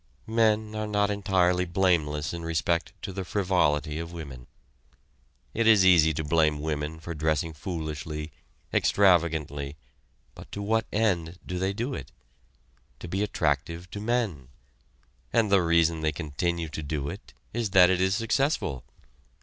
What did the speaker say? Men are not entirely blameless in respect to the frivolity of women. It is easy to blame women for dressing foolishly, extravagantly, but to what end do they do it? To be attractive to men; and the reason they continue to do it is that it is successful.